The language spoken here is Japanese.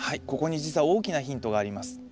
ここに実は大きなヒントがあります。